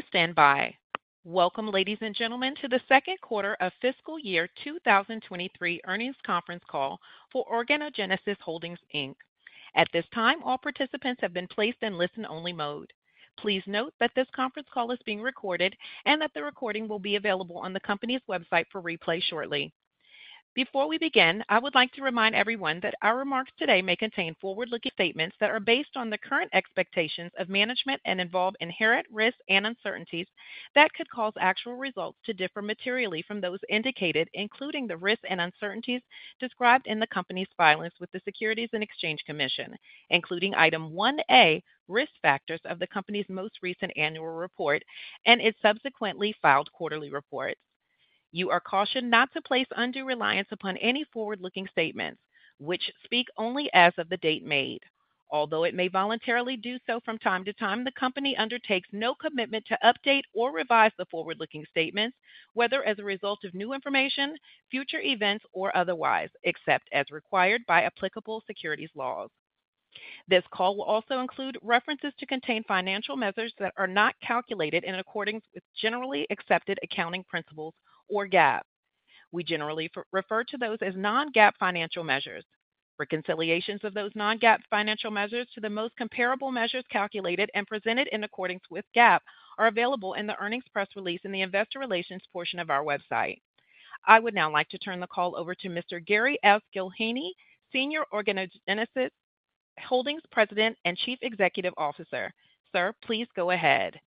Please stand by. Welcome, ladies and gentlemen, to the second quarter of fiscal year 2023 earnings conference call for Organogenesis Holdings, Inc. At this time, all participants have been placed in listen-only mode. Please note that this conference call is being recorded and that the recording will be available on the company's website for replay shortly. Before we begin, I would like to remind everyone that our remarks today may contain forward-looking statements that are based on the current expectations of management and involve inherent risks and uncertainties that could cause actual results to differ materially from those indicated, including the risks and uncertainties described in the company's filings with the Securities and Exchange Commission, including Item 1A: Risk Factors of the company's most recent annual report and its subsequently filed quarterly reports. You are cautioned not to place undue reliance upon any forward-looking statements, which speak only as of the date made. Although it may voluntarily do so from time to time, the company undertakes no commitment to update or revise the forward-looking statements, whether as a result of new information, future events, or otherwise, except as required by applicable securities laws. This call will also include references to contain financial measures that are not calculated in accordance with generally accepted accounting principles or GAAP. We generally refer to those as non-GAAP financial measures. Reconciliations of those non-GAAP financial measures to the most comparable measures calculated and presented in accordance with GAAP are available in the earnings press release in the investor relations portion of our website. I would now like to turn the call over to Mr. Gary S. Gillheeney, Sr., Organogenesis Holdings President and Chief Executive Officer. Sir, please go ahead.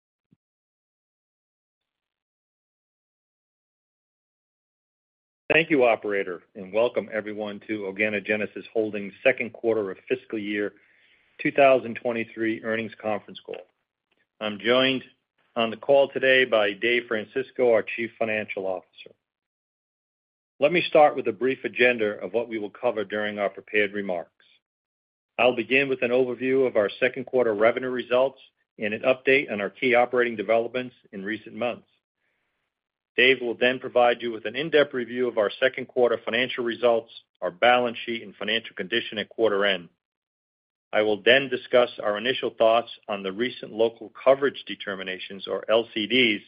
Thank you, operator, and welcome everyone to Organogenesis Holdings second quarter of fiscal year 2023 earnings conference call. I'm joined on the call today by Dave Francisco, our Chief Financial Officer. Let me start with a brief agenda of what we will cover during our prepared remarks. I'll begin with an overview of our second quarter revenue results and an update on our key operating developments in recent months. Dave will then provide you with an in-depth review of our second quarter financial results, our balance sheet, and financial condition at quarter end. I will then discuss our initial thoughts on the recent Local Coverage Determinations, or LCDs,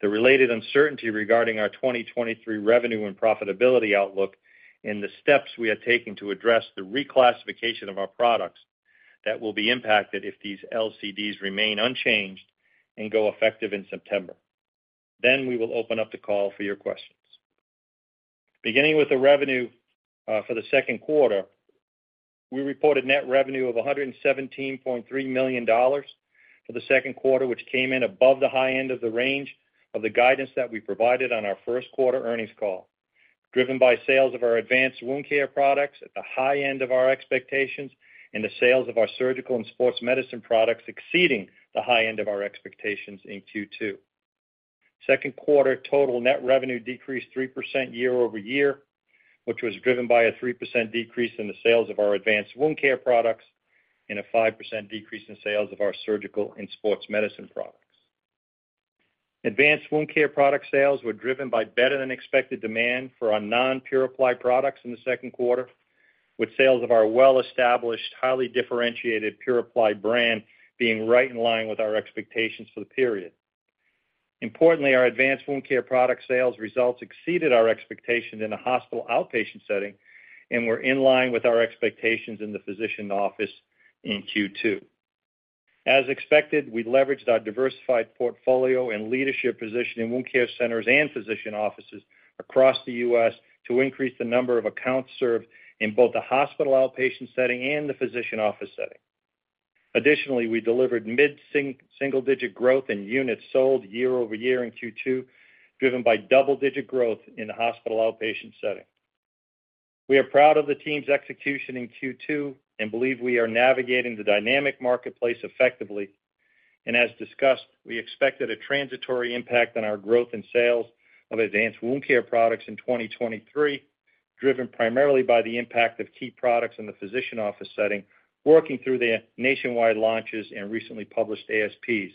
the related uncertainty regarding our 2023 revenue and profitability outlook, and the steps we are taking to address the reclassification of our products that will be impacted if these LCDs remain unchanged and go effective in September. We will open up the call for your questions. Beginning with the revenue, for the second quarter, we reported net revenue of $117.3 million for the second quarter, which came in above the high end of the range of the guidance that we provided on our first quarter earnings call, driven by sales of our advanced wound care products at the high end of our expectations and the sales of our surgical and sports medicine products exceeding the high end of our expectations in Q2. Second quarter total net revenue decreased 3% year-over-year, which was driven by a 3% decrease in the sales of our advanced wound care products and a 5% decrease in sales of our surgical and sports medicine products. Advanced wound care product sales were driven by better-than-expected demand for our non-PuraPly products in the second quarter, with sales of our well-established, highly differentiated PuraPly brand being right in line with our expectations for the period. Importantly, our advanced wound care product sales results exceeded our expectations in a hospital outpatient setting and were in line with our expectations in the physician office in Q2. As expected, we leveraged our diversified portfolio and leadership position in wound care centers and physician offices across the US to increase the number of accounts served in both the hospital outpatient setting and the physician office setting. Additionally, we delivered mid-single-digit growth in units sold year-over-year in Q2, driven by double-digit growth in the hospital outpatient setting. We are proud of the team's execution in Q2 and believe we are navigating the dynamic marketplace effectively. As discussed, we expected a transitory impact on our growth in sales of advanced wound care products in 2023, driven primarily by the impact of key products in the physician office setting, working through the nationwide launches and recently published ASPs.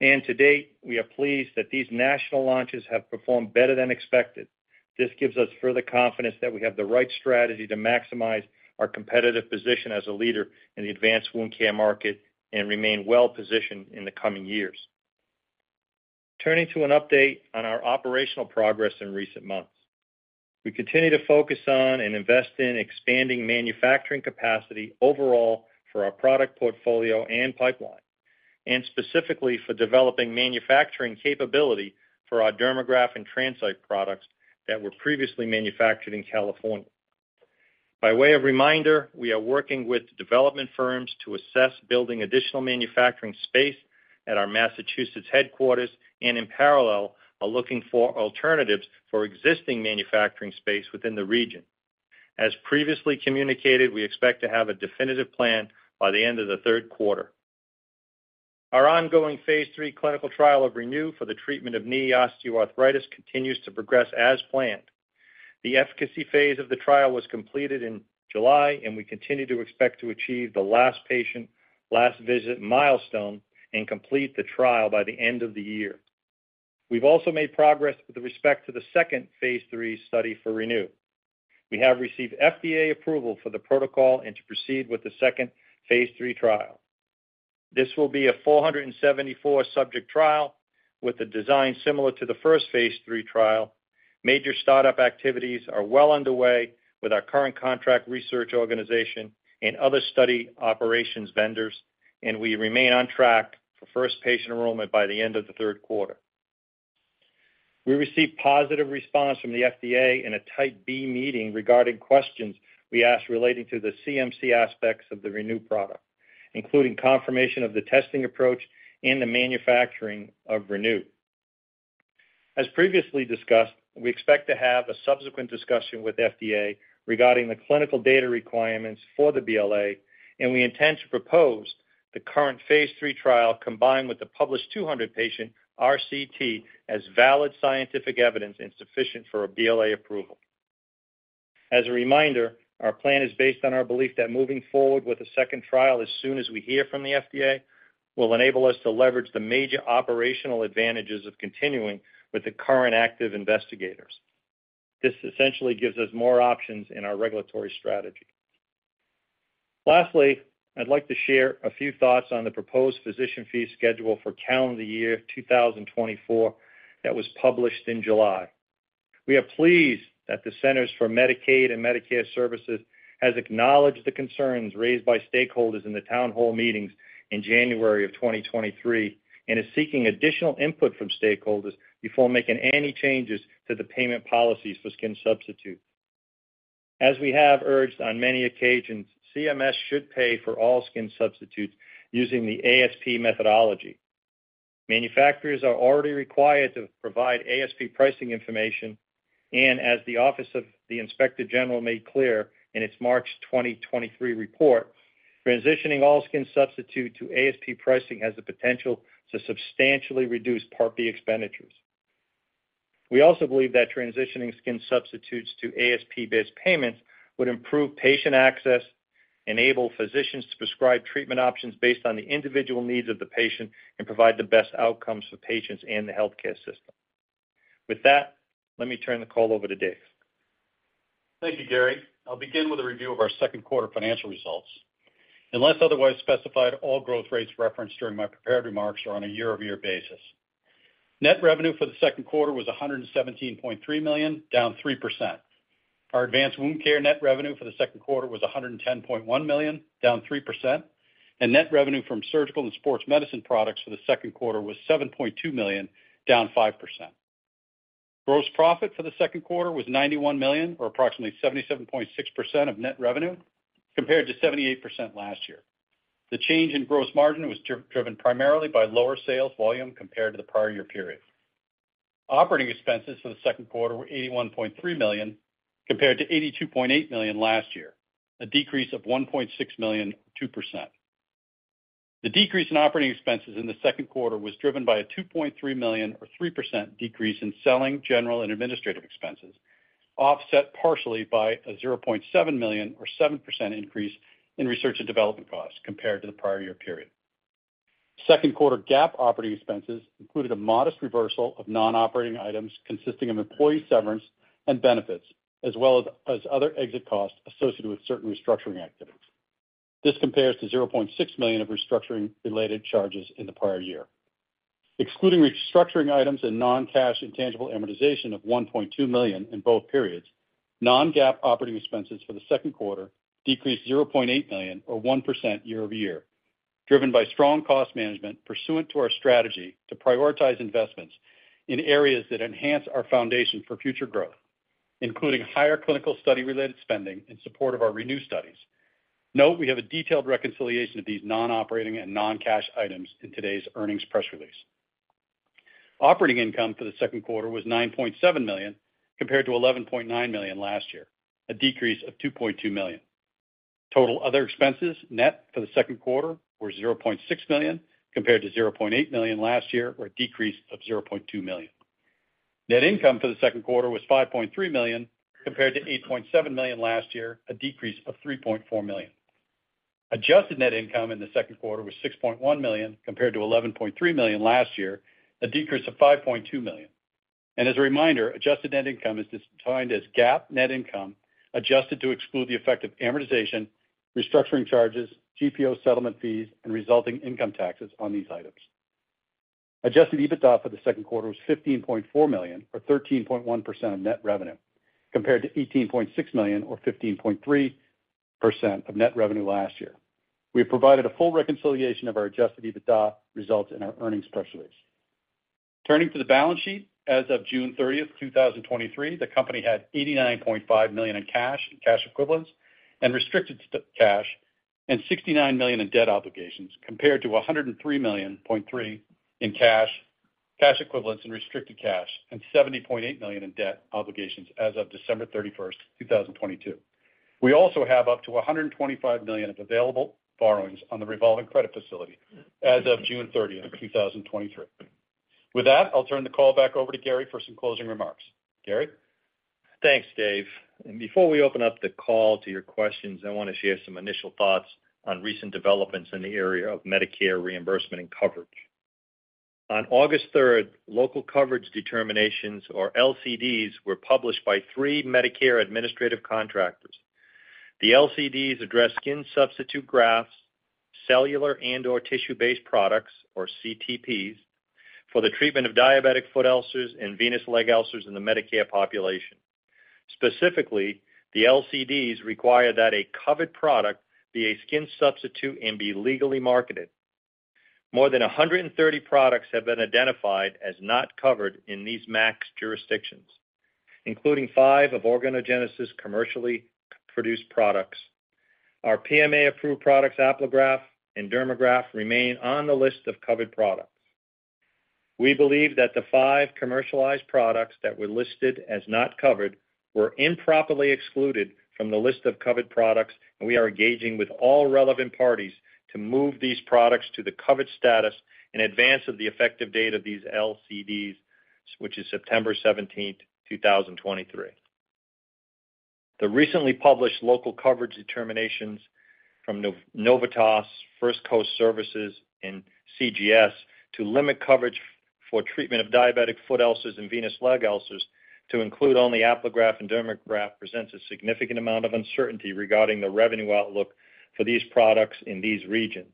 To date, we are pleased that these national launches have performed better than expected. This gives us further confidence that we have the right strategy to maximize our competitive position as a leader in the advanced wound care market and remain well positioned in the coming years. Turning to an update on our operational progress in recent months. We continue to focus on and invest in expanding manufacturing capacity overall for our product portfolio and pipeline, and specifically for developing manufacturing capability for our Dermagraft and TransCyte products that were previously manufactured in California. By way of reminder, we are working with development firms to assess building additional manufacturing space at our Massachusetts headquarters and in parallel, are looking for alternatives for existing manufacturing space within the region. As previously communicated, we expect to have a definitive plan by the end of the third quarter. Our ongoing phase III clinical trial of ReNu for the treatment of knee osteoarthritis continues to progress as planned. The efficacy phase of the trial was completed in July, and we continue to expect to achieve the last patient, last visit milestone and complete the trial by the end of the year. We've also made progress with respect to the second phase III study for ReNu. We have received FDA approval for the protocol and to proceed with the second phase III trial. This will be a 474 subject trial with a design similar to the first phase III trial. Major startup activities are well underway with our current contract research organization and other study operations vendors, and we remain on track for first patient enrollment by the end of the third quarter. We received positive response from the FDA in a Type B Meeting regarding questions we asked relating to the CMC aspects of the ReNu product, including confirmation of the testing approach and the manufacturing of ReNu. Previously discussed, we expect to have a subsequent discussion with FDA regarding the clinical data requirements for the BLA, and we intend to propose the current phase III trial, combined with the published 200 patient RCT, as valid scientific evidence and sufficient for a BLA approval. As a reminder, our plan is based on our belief that moving forward with a second trial, as soon as we hear from the FDA, will enable us to leverage the major operational advantages of continuing with the current active investigators. This essentially gives us more options in our regulatory strategy. Lastly, I'd like to share a few thoughts on the proposed physician fee schedule for calendar year 2024 that was published in July. We are pleased that the Centers for Medicare & Medicaid Services has acknowledged the concerns raised by stakeholders in the town hall meetings in January of 2023, and is seeking additional input from stakeholders before making any changes to the payment policies for skin substitute. As we have urged on many occasions, CMS should pay for all skin substitutes using the ASP methodology. Manufacturers are already required to provide ASP pricing information, and as the Office of the Inspector General made clear in its March 2023 report, transitioning all skin substitutes to ASP pricing has the potential to substantially reduce Part B expenditures. We also believe that transitioning skin substitutes to ASP-based payments would improve patient access, enable physicians to prescribe treatment options based on the individual needs of the patient, and provide the best outcomes for patients and the healthcare system. With that, let me turn the call over to Dave. Thank you, Gary. I'll begin with a review of our second quarter financial results. Unless otherwise specified, all growth rates referenced during my prepared remarks are on a year-over-year basis. Net revenue for the second quarter was $117.3 million, down 3%. Our advanced wound care net revenue for the second quarter was $110.1 million, down 3%. Net revenue from surgical and sports medicine products for the second quarter was $7.2 million, down 5%. Gross profit for the second quarter was $91 million, or approximately 77.6% of net revenue, compared to 78% last year. The change in gross margin was driven primarily by lower sales volume compared to the prior year period. Operating expenses for the second quarter were $81.3 million, compared to $82.8 million last year, a decrease of $1.6 million, or 2%. The decrease in operating expenses in the second quarter was driven by a $2.3 million or 3% decrease in selling, general, and administrative expenses, offset partially by a $0.7 million or 7% increase in research and development costs compared to the prior year period. Second quarter GAAP operating expenses included a modest reversal of non-operating items consisting of employee severance and benefits, as well as other exit costs associated with certain restructuring activities. This compares to $0.6 million of restructuring-related charges in the prior year. Excluding restructuring items and non-cash intangible amortization of $1.2 million in both periods, non-GAAP operating expenses for the second quarter decreased $0.8 million or 1% year-over-year, driven by strong cost management pursuant to our strategy to prioritize investments in areas that enhance our foundation for future growth, including higher clinical study-related spending in support of our ReNu studies. Note, we have a detailed reconciliation of these non-operating and non-cash items in today's earnings press release. Operating income for the second quarter was $9.7 million, compared to $11.9 million last year, a decrease of $2.2 million. Total other expenses net for the second quarter were $0.6 million, compared to $0.8 million last year, or a decrease of $0.2 million. Net income for the second quarter was $5.3 million, compared to $8.7 million last year, a decrease of $3.4 million. Adjusted net income in the second quarter was $6.1 million, compared to $11.3 million last year, a decrease of $5.2 million. As a reminder, adjusted net income is defined as GAAP net income, adjusted to exclude the effect of amortization, restructuring charges, GPO settlement fees, and resulting income taxes on these items. Adjusted EBITDA for the second quarter was $15.4 million, or 13.1% of net revenue, compared to $18.6 million, or 15.3% of net revenue last year. We have provided a full reconciliation of our Adjusted EBITDA results in our earnings press release. Turning to the balance sheet, as of June 30th, 2023, the company had $89.5 million in cash and cash equivalents and restricted cash, and $69 million in debt obligations, compared to $103.3 million in cash, cash equivalents, and restricted cash, and $70.8 million in debt obligations as of December 31st, 2022. We also have up to $125 million of available borrowings on the revolving credit facility as of June 30th, 2023. With that, I'll turn the call back over to Gary for some closing remarks. Gary? Thanks, Dave. Before we open up the call to your questions, I want to share some initial thoughts on recent developments in the area of Medicare reimbursement and coverage. On August 3rd, Local Coverage Determinations, or LCDs, were published by three Medicare Administrative Contractors. The LCDs address skin substitute grafts, cellular and/or tissue-based products, or CTPs, for the treatment of diabetic foot ulcers and venous leg ulcers in the Medicare population. Specifically, the LCDs require that a covered product be a skin substitute and be legally marketed. More than 130 products have been identified as not covered in these MACs' jurisdictions, including five of Organogenesis commercially produced products. Our PMA-approved products, Apligraf and Dermagraft, remain on the list of covered products. We believe that the five commercialized products that were listed as not covered were improperly excluded from the list of covered products. We are engaging with all relevant parties to move these products to the covered status in advance of the effective date of these LCDs, which is September 17, 2023. The recently published local coverage determinations from Novitas, First Coast Services, and CGS to limit coverage for treatment of diabetic foot ulcers and venous leg ulcers to include only Apligraf and Dermagraft, presents a significant amount of uncertainty regarding the revenue outlook for these products in these regions.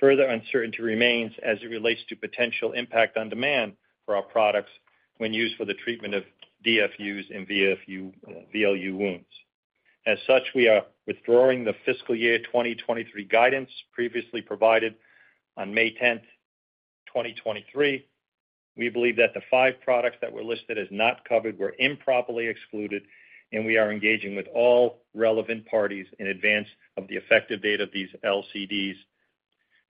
Further uncertainty remains as it relates to potential impact on demand for our products when used for the treatment of DFUs and VLU wounds. As such, we are withdrawing the fiscal year 2023 guidance previously provided on May 10, 2023. We believe that the five products that were listed as not covered were improperly excluded, and we are engaging with all relevant parties in advance of the effective date of these LCDs.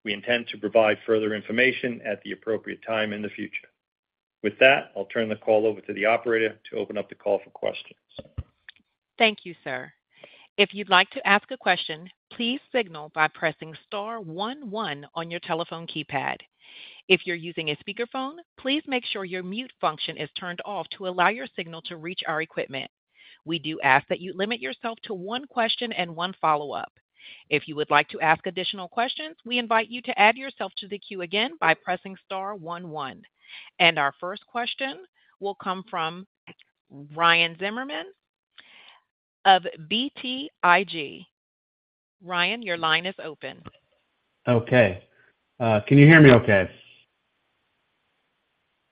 We intend to provide further information at the appropriate time in the future. With that, I'll turn the call over to the operator to open up the call for questions. Thank you, sir. If you'd like to ask a question, please signal by pressing star one one on your telephone keypad. If you're using a speakerphone, please make sure your mute function is turned off to allow your signal to reach our equipment. We do ask that you limit yourself to one question and one follow-up. If you would like to ask additional questions, we invite you to add yourself to the queue again by pressing star one one. Our first question will come from Ryan Zimmerman of BTIG. Ryan, your line is open. Okay. Can you hear me okay?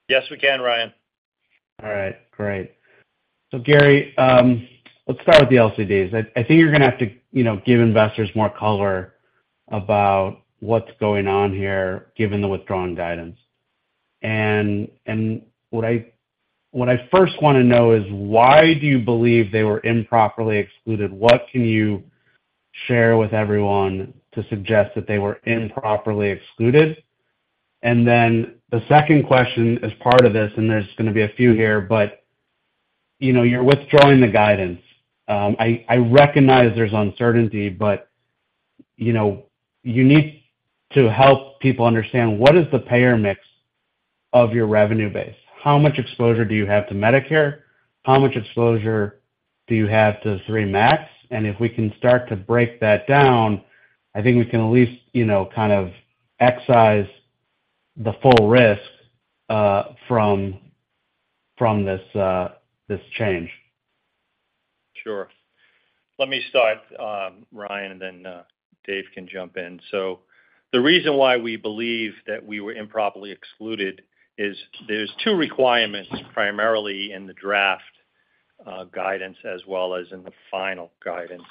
Yes, we can, Ryan. All right, great. Gary, let's start with the LCDs. I, I think you're gonna have to, you know, give investors more color about what's going on here, given the withdrawn guidance. What I, what I first wanna know is, why do you believe they were improperly excluded? What can you share with everyone to suggest that they were improperly excluded? The second question as part of this, and there's gonna be a few here, but, you know, you're withdrawing the guidance. I, I recognize there's uncertainty, but, you know, you need to help people understand what is the payer mix of your revenue base? How much exposure do you have to Medicare? How much exposure do you have to three MACs? If we can start to break that down, I think we can at least, you know, kind of excise the full risk, from, from this, this change. Sure. Let me start, Ryan, and then Dave can jump in. The reason why we believe that we were improperly excluded is there's two requirements, primarily in the draft guidance, as well as in the final guidance.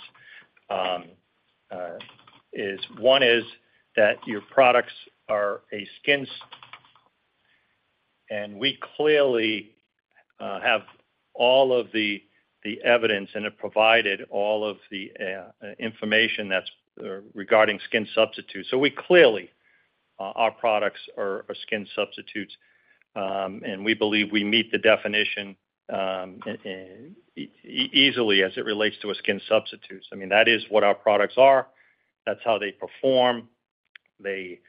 Is one is that your products are a skin, and we clearly have all of the evidence and have provided all of the information that's regarding skin substitutes. We clearly, our products are skin substitutes, and we believe we meet the definition easily as it relates to a skin substitutes. I mean, that is what our products are. That's how they perform. They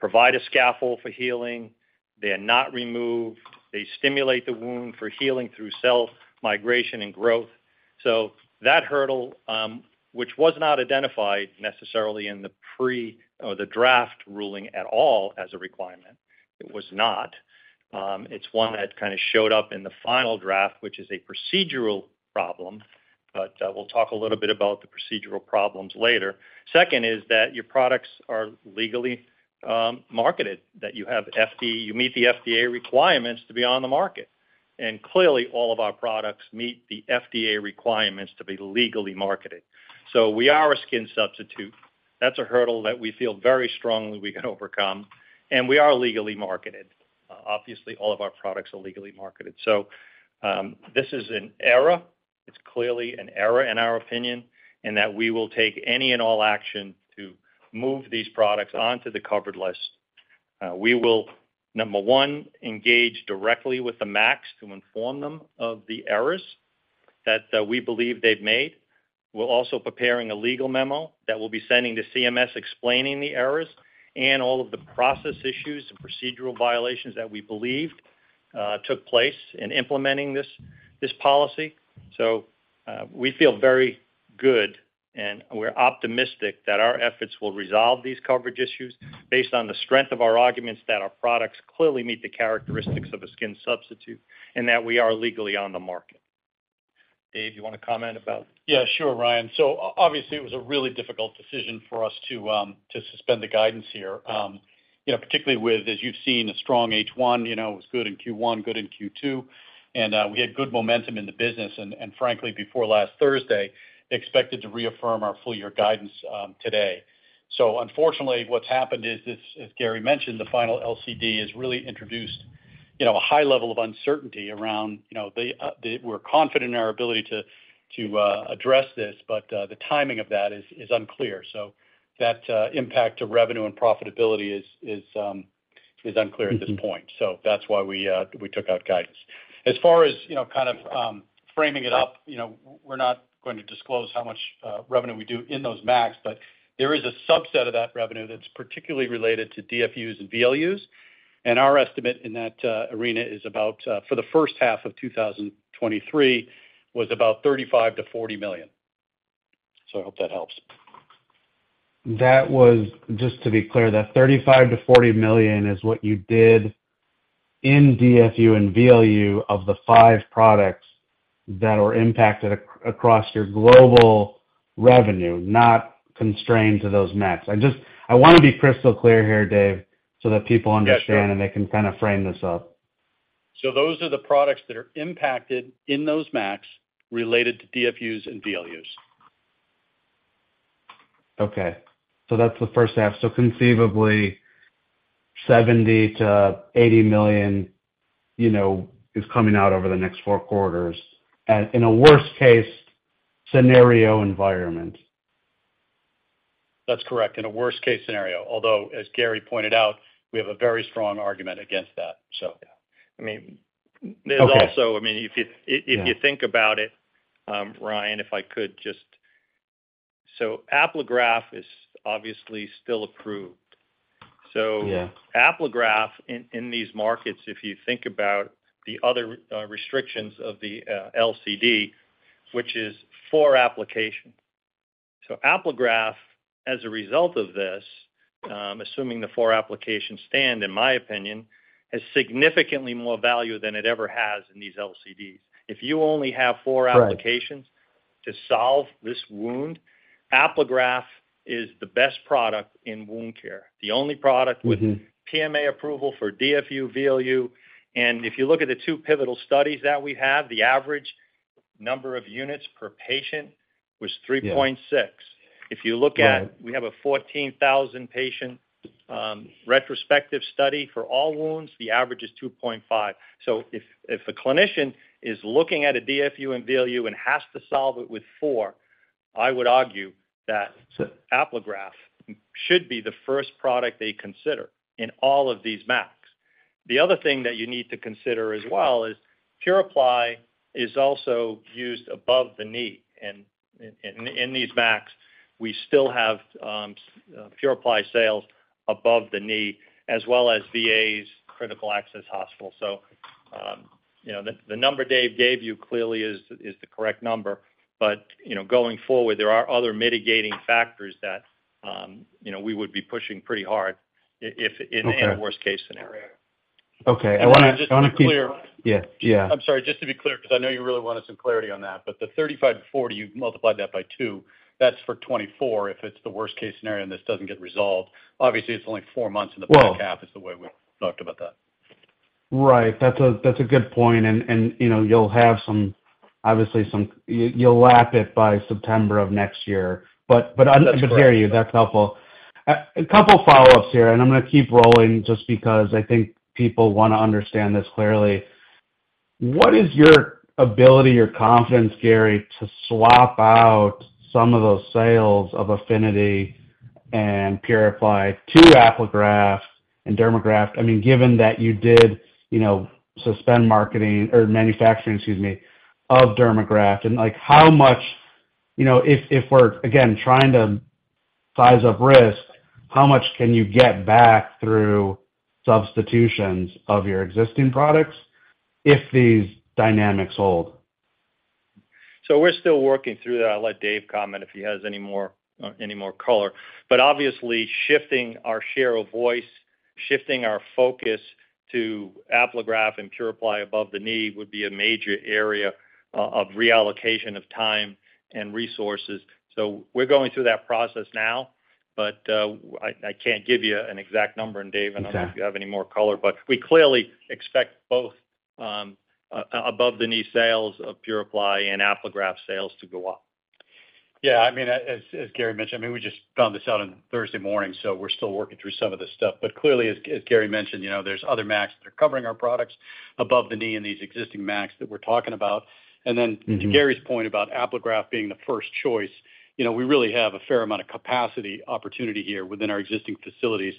provide a scaffold for healing. They are not removed. They stimulate the wound for healing through cell migration and growth. That hurdle, which was not identified necessarily in the pre or the draft ruling at all as a requirement, it was not. It's one that kind of showed up in the final draft, which is a procedural problem, but we'll talk a little bit about the procedural problems later. Second is that your products are legally marketed, that you meet the FDA requirements to be on the market. Clearly, all of our products meet the FDA requirements to be legally marketed. We are a skin substitute. That's a hurdle that we feel very strongly we can overcome, and we are legally marketed. Obviously, all of our products are legally marketed. This is an error. It's clearly an error, in our opinion, and that we will take any and all action to move these products onto the covered list. We will, number one, engage directly with the MACs to inform them of the errors that we believe they've made. We're also preparing a legal memo that we'll be sending to CMS, explaining the errors and all of the process issues and procedural violations that we believed took place in implementing this, this policy. We feel very good, and we're optimistic that our efforts will resolve these coverage issues based on the strength of our arguments, that our products clearly meet the characteristics of a skin substitute, and that we are legally on the market. Dave, you wanna comment about? Yeah, sure, Ryan. Obviously, it was a really difficult decision for us to suspend the guidance here. You know, particularly with, as you've seen, a strong H1, you know, it was good in Q1, good in Q2, and we had good momentum in the business, and frankly, before last Thursday, expected to reaffirm our full year guidance today. Unfortunately, what's happened is this, as Gary mentioned, the final LCD has really introduced, you know, a high level of uncertainty around, you know, the, we're confident in our ability to address this, but the timing of that is unclear. That impact to revenue and profitability is unclear at this point. That's why we took out guidance. As far as, you know, kind of, framing it up, you know, we're not going to disclose how much revenue we do in those MACs, but there is a subset of that revenue that's particularly related to DFUs and VLUs, and our estimate in that arena is about for the first half of 2023, was about $35 million-$40 million. I hope that helps. That was, just to be clear, that $35 million-$40 million is what you did in DFU and VLU of the five products that were impacted across your global revenue, not constrained to those MACs. I just, I wanna be crystal clear here, Dave, so that people understand. Yes, sure. They can kinda frame this up. Those are the products that are impacted in those MACs related to DFUs and VLUs. Okay, that's the first half. Conceivably, $70 million-$80 million, you know, is coming out over the next four quarters, and in a worst case scenario environment. That's correct, in a worst case scenario, although, as Gary pointed out, we have a very strong argument against that, so. Yeah. I mean. Okay. There's also... I mean... Yeah If you think about it, Ryan, if I could just. Apligraf is obviously still approved. Yeah. Apligraf, in, in these markets, if you think about the other restrictions of the LCD, which is for application. Apligraf, as a result of this, assuming the four applications stand, in my opinion, has significantly more value than it ever has in these LCDs. If you only have four applications... Right To solve this wound, Apligraf is the best product in wound care, the only product with-. Mm-hmm PMA approval for DFU, VLU. If you look at the two pivotal studies that we have, the average number of units per patient was 3.6. Yeah. If you look at. Right We have a 14,000 patient, retrospective study. For all wounds, the average is 2.5. If, if a clinician is looking at a DFU and VLU and has to solve it with four, I would argue that Apligraf should be the first product they consider in all of these MACs. The other thing that you need to consider as well is, PuraPly is also used above the knee. In these MACs, we still have PuraPly sales above the knee, as well as VA's critical access hospital. You know, the number Dave gave you clearly is the correct number, but, you know, going forward, there are other mitigating factors that, you know, we would be pushing pretty hard if in- Okay A worst-case scenario. Okay, I wanna, I wanna. Just to be clear. Yeah. Yeah. I'm sorry, just to be clear, 'cause I know you really wanted some clarity on that, but the 35-40, you multiply that by 2, that's for 2024, if it's the worst-case scenario, and this doesn't get resolved. Obviously, it's only four months in the back half- Well- Is the way we talked about that. Right. That's a, that's a good point, and, and, you know, you'll have some, obviously you'll lap it by September of next year. That's correct. I can hear you. That's helpful. A couple follow-ups here, I'm gonna keep rolling just because I think people wanna understand this clearly. What is your ability or confidence, Gary, to swap out some of those sales of Affinity and PuraPly to Apligraf and Dermagraft? I mean, given that you did, you know, suspend marketing or manufacturing, excuse me, of Dermagraft, and, like, you know, if, if we're, again, trying to size up risk, how much can you get back through substitutions of your existing products if these dynamics hold? We're still working through that. I'll let Dave comment if he has any more, any more color. Obviously, shifting our share of voice, shifting our focus to Apligraf and PuraPly above the knee would be a major area of reallocation of time and resources. We're going through that process now, but I, I can't give you an exact number, and Dave... Okay I don't know if you have any more color, but we clearly expect both, above-the-knee sales of PuraPly and Apligraf sales to go up. Yeah, I mean, as, as Gary mentioned, I mean, we just found this out on Thursday morning, so we're still working through some of this stuff. Clearly, as, as Gary mentioned, you know, there's other MACs that are covering our products above the knee in these existing MACs that we're talking about. Mm-hmm. To Gary's point about Apligraf being the first choice. You know, we really have a fair amount of capacity opportunity here within our existing facilities,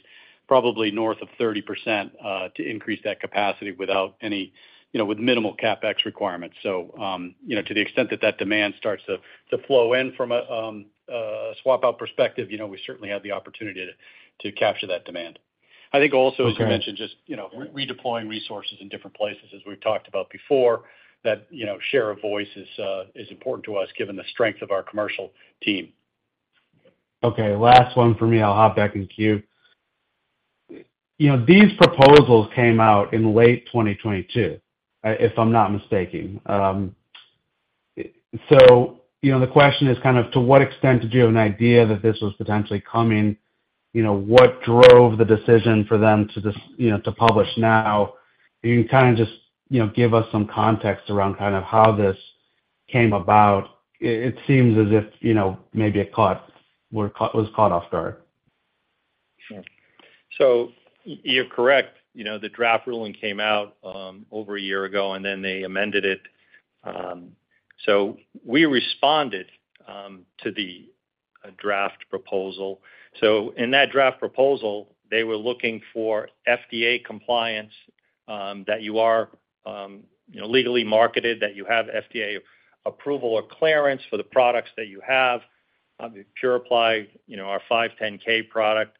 probably north of 30%, to increase that capacity without any, you know, with minimal CapEx requirements. You know, to the extent that that demand starts to, to flow in from a swap-out perspective, you know, we certainly have the opportunity to, to capture that demand. I think also, as you mentioned, just, you know, redeploying resources in different places, as we've talked about before, that, you know, share of voice is important to us, given the strength of our commercial team. Okay, last one for me. I'll hop back in queue. You know, these proposals came out in late 2022, if I'm not mistaken. You know, the question is kind of, to what extent did you have an idea that this was potentially coming? You know, what drove the decision for them to just, you know, to publish now? You can kind of just, you know, give us some context around kind of how this came about. It, it seems as if, you know, maybe it was caught off guard. Sure. You're correct. You know, the draft ruling came out over a year ago, and then they amended it. We responded to the draft proposal. In that draft proposal, they were looking for FDA compliance, that you are, you know, legally marketed, that you have FDA approval or clearance for the products that you have. PuraPly, you know, our 510(k) product,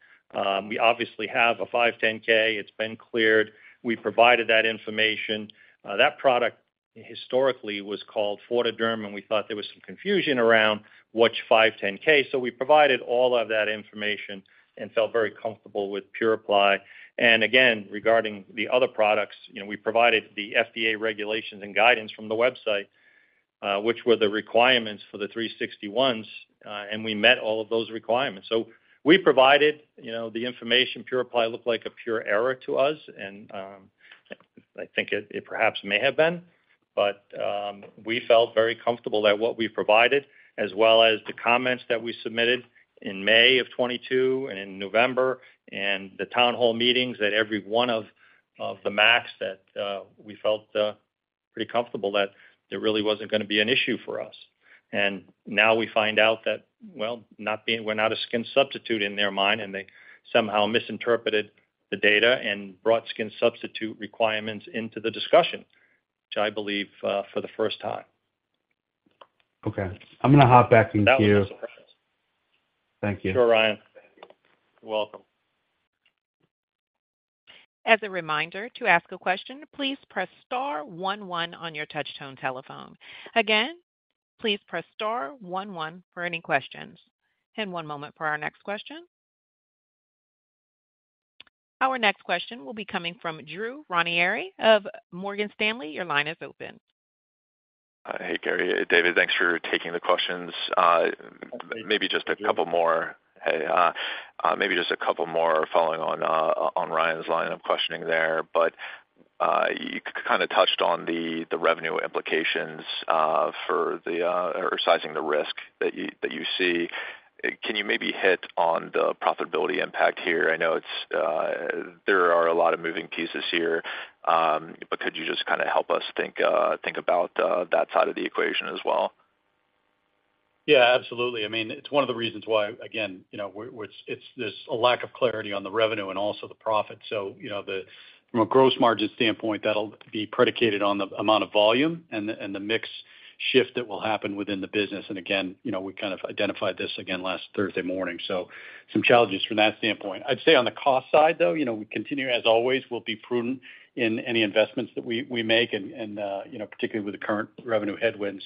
we obviously have a 510(k). It's been cleared. We provided that information. That product historically was called FortaDerm, and we thought there was some confusion around which 510(k). We provided all of that information and felt very comfortable with PuraPly. Again, regarding the other products, you know, we provided the FDA regulations and guidance from the website, which were the requirements for the 361s, and we met all of those requirements. We provided, you know, the information. PuraPly looked like a pure error to us, and I think it, it perhaps may have been. We felt very comfortable that what we provided, as well as the comments that we submitted in May of 2022 and in November, and the town hall meetings at every one of the MACs, that we felt pretty comfortable that there really wasn't gonna be an issue for us. Now we find out that, well, we're not a skin substitute in their mind, and they somehow misinterpreted the data and brought skin substitute requirements into the discussion, which I believe, for the first time. Okay, I'm gonna hop back in queue. That was a surprise. Thank you. Sure, Ryan. You're welcome. As a reminder, to ask a question, please press star one one on your touchtone telephone. Again, please press star one one for any questions. And one moment for our next question. Our next question will be coming from Drew Ranieri of Morgan Stanley. Your line is open. Hey, Gary, Dave, thanks for taking the questions. Okay. Maybe just a couple more. Hey, maybe just a couple more following on Ryan's line of questioning there. You kind of touched on the, the revenue implications for the or sizing the risk that you, that you see. Can you maybe hit on the profitability impact here? I know it's, there are a lot of moving pieces here, but could you just kind of help us think, think about that side of the equation as well? Yeah, absolutely. I mean, it's one of the reasons why, again, you know, we're, it's this a lack of clarity on the revenue and also the profit. You know, from a gross margin standpoint, that'll be predicated on the amount of volume and the mix shift that will happen within the business. Again, you know, we kind of identified this again last Thursday morning, so some challenges from that standpoint. I'd say on the cost side, though, you know, we continue, as always, we'll be prudent in any investments that we make, and, you know, particularly with the current revenue headwinds.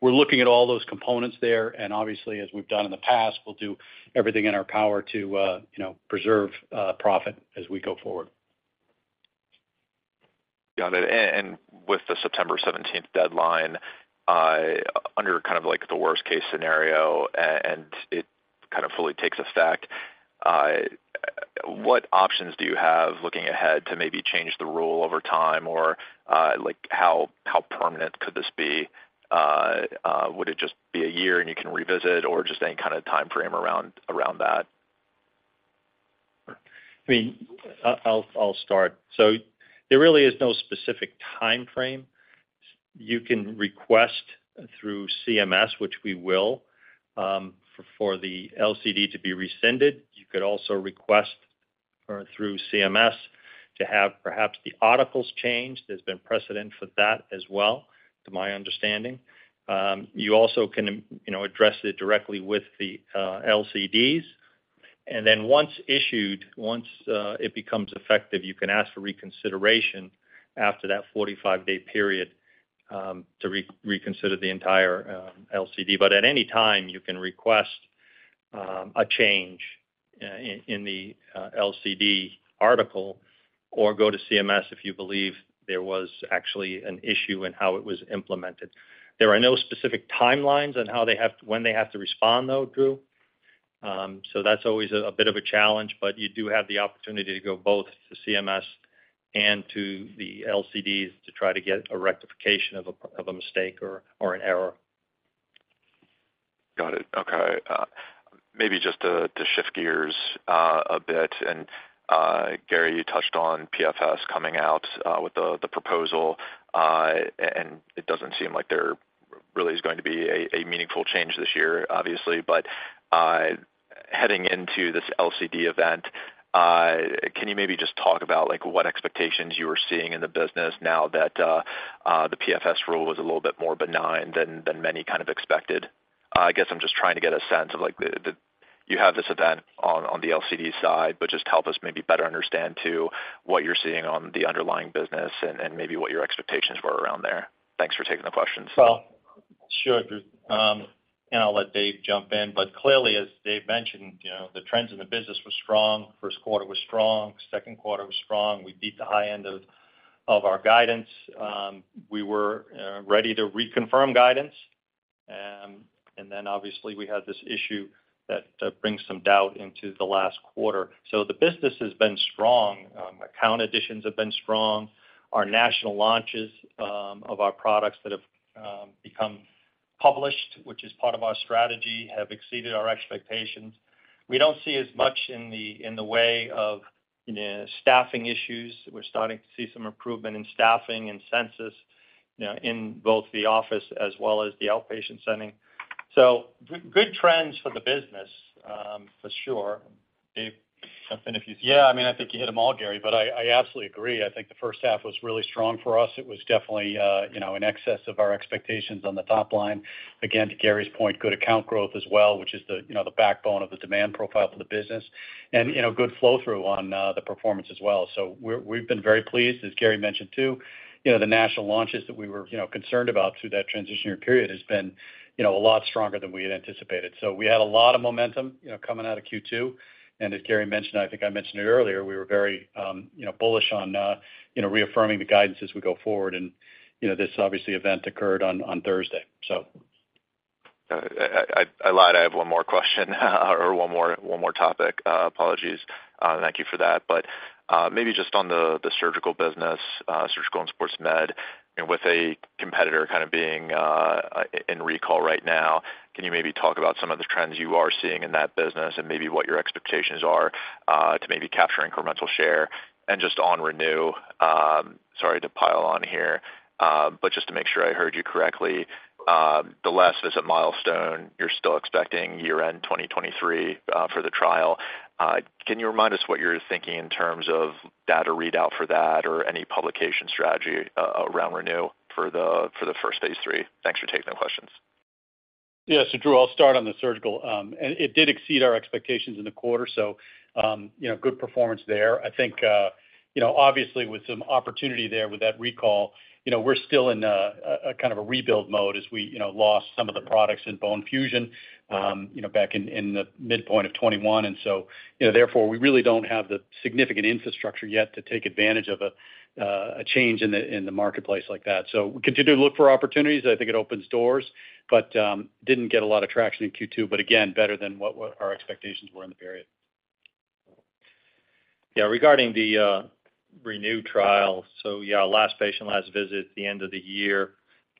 We're looking at all those components there, and obviously, as we've done in the past, we'll do everything in our power to, you know, preserve profit as we go forward. Got it. With the September 17th deadline, under kind of like the worst-case scenario, and it kind of fully takes effect, what options do you have, looking ahead, to maybe change the rule over time? Or, like, how, how permanent could this be? Would it just be a year, and you can revisit, or just any kind of timeframe around, around that? I mean, I'll, I'll start. There really is no specific timeframe. You can request through CMS, which we will, for the LCD to be rescinded. You could also request through CMS to have perhaps the articles changed. There's been precedent for that as well, to my understanding. You also can, you know, address it directly with the LCDs. Then once issued, once it becomes effective, you can ask for reconsideration after that 45-day period, to reconsider the entire LCD. At any time, you can request a change in the LCD article or go to CMS if you believe there was actually an issue in how it was implemented. There are no specific timelines on when they have to respond, though, Drew. That's always a, a bit of a challenge, but you do have the opportunity to go both to CMS and to the LCDs to try to get a rectification of a, of a mistake or, or an error. Got it. Okay, Maybe just to shift gears a bit, and Gary, you touched on PFS coming out with the proposal, and it doesn't seem like there really is going to be a meaningful change this year, obviously. Heading into this LCD event, can you maybe just talk about, like, what expectations you were seeing in the business now that the PFS rule was a little bit more benign than many kind of expected? I guess I'm just trying to get a sense of, like, the. You have this event on the LCD side, but just help us maybe better understand, too, what you're seeing on the underlying business and, and maybe what your expectations were around there. Thanks for taking the questions. Well, sure, and I'll let Dave jump in. Clearly, as Dave mentioned, you know, the trends in the business were strong. First quarter was strong, second quarter was strong. We beat the high end of our guidance. We were ready to reconfirm guidance. Obviously, we had this issue that brings some doubt into the last quarter. The business has been strong. Account additions have been strong. Our national launches of our products that have become published, which is part of our strategy, have exceeded our expectations. We don't see as much in the way of, you know, staffing issues. We're starting to see some improvement in staffing and census, you know, in both the office as well as the outpatient setting. Good trends for the business for sure. Dave, jump in if you- Yeah, I mean, I think you hit them all, Gary, but I absolutely agree. I think the first half was really strong for us. It was definitely, you know, in excess of our expectations on the top line. Again, to Gary's point, good account growth as well, which is the, you know, the backbone of the demand profile for the business, and, you know, good flow-through on the performance as well. We've been very pleased. As Gary mentioned, too, you know, the national launches that we were, you know, concerned about through that transitionary period has been, you know, a lot stronger than we had anticipated. We had a lot of momentum, you know, coming out of Q2, and as Gary mentioned, I think I mentioned it earlier, we were very, you know, bullish on, you know, reaffirming the guidance as we go forward. You know, this obviously event occurred on, on Thursday, so. I, I, I lied. I have one more question, or one more, one more topic. Apologies, thank you for that. Maybe just on the surgical business, surgical and sports med, and with a competitor kind of being in recall right now, can you maybe talk about some of the trends you are seeing in that business and maybe what your expectations are to maybe capture incremental share? Just on ReNu, sorry to pile on here, but just to make sure I heard you correctly, the last visit milestone, you're still expecting year-end 2023 for the trial. Can you remind us what you're thinking in terms of data readout for that or any publication strategy around ReNu for the first phase III? Thanks for taking the questions. Yeah. Drew, I'll start on the surgical. It did exceed our expectations in the quarter, you know, good performance there. I think, you know, obviously with some opportunity there with that recall, you know, we're still in a kind of a rebuild mode as we, you know, lost some of the products in bone fusion, you know, back in the midpoint of 2021. You know, therefore, we really don't have the significant infrastructure yet to take advantage of a change in the marketplace like that. We continue to look for opportunities. I think it opens doors, but didn't get a lot of traction in Q2. Again, better than what, what our expectations were in the period. Yeah, regarding the ReNu trial. Yeah, last patient, last visit at the end of the year.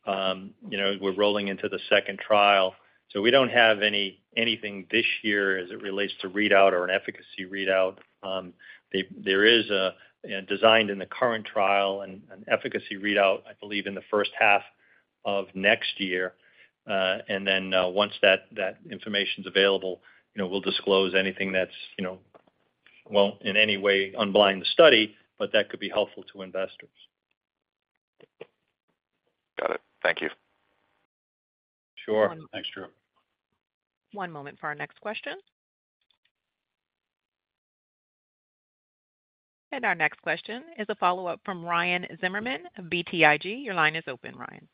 You know, we're rolling into the second trial, so we don't have anything this year as it relates to readout or an efficacy readout. There, there is a designed in the current trial an efficacy readout, I believe, in the first half of next year. Then, once that, that information is available, you know, we'll disclose anything that's, you know, well, in any way, unblind the study, but that could be helpful to investors. Got it. Thank you. Sure. Thanks, Drew. One moment for our next question. Our next question is a follow-up from Ryan Zimmerman of BTIG. Your line is open, Ryan.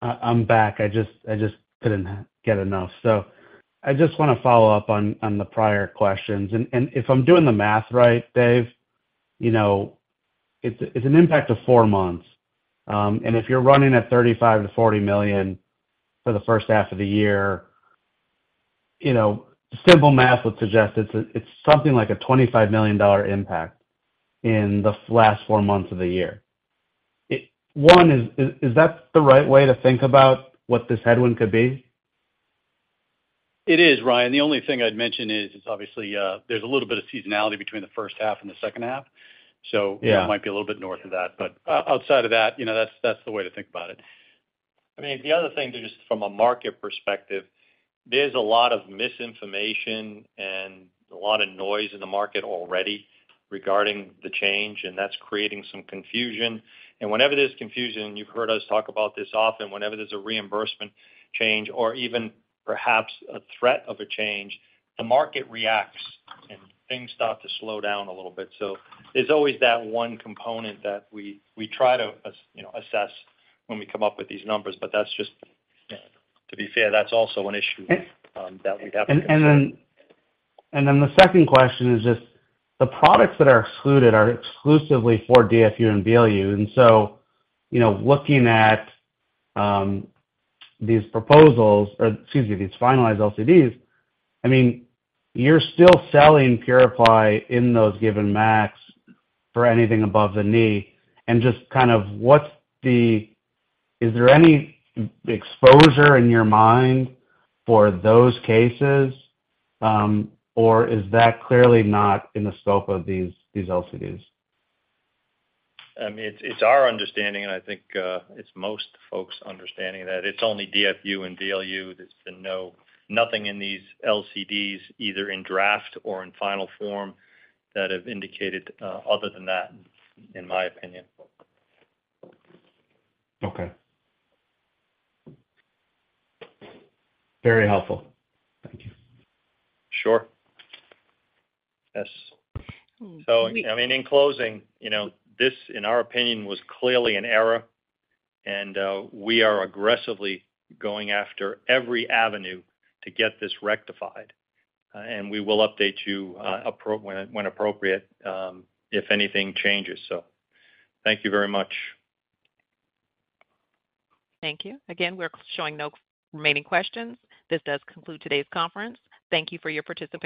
I'm back. I just, I just couldn't get enough. I just wanna follow up on, on the prior questions. If I'm doing the math right, Dave, you know, it's an impact of four months. And if you're running at $35 million-$40 million for the first half of the year, you know, simple math would suggest it's something like a $25 million impact in the last four months of the year. One, is that the right way to think about what this headwind could be? It is, Ryan. The only thing I'd mention is, it's obviously, there's a little bit of seasonality between the first half and the second half. Yeah. It might be a little bit north of that, but outside of that, you know, that's, that's the way to think about it. I mean, the other thing, just from a market perspective, there's a lot of misinformation and a lot of noise in the market already regarding the change, and that's creating some confusion. Whenever there's confusion, you've heard us talk about this often, whenever there's a reimbursement change or even perhaps a threat of a change, the market reacts, and things start to slow down a little bit. There's always that one component that we, we try to you know, assess when we come up with these numbers, but that's just. To be fair, that's also an issue that we have. The second question is, just the products that are excluded are exclusively for DFU and VLU. You know, looking at these proposals or, excuse me, these finalized LCDs, I mean, you're still selling PuraPly in those given MACs for anything above the knee. Just kind of what's the exposure in your mind for those cases, or is that clearly not in the scope of these LCDs? I mean, it's, it's our understanding, and I think, it's most folks understanding, that it's only DFU and VLU. There's been nothing in these LCDs, either in draft or in final form, that have indicated, other than that, in my opinion. Okay. Very helpful. Thank you. Sure. Yes. I mean, in closing, you know, this, in our opinion, was clearly an error, and we are aggressively going after every avenue to get this rectified. We will update you, when appropriate, if anything changes. Thank you very much. Thank you. Again, we're showing no remaining questions. This does conclude today's conference. Thank you for your participation.